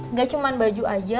nggak cuma baju aja